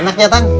enak ya pak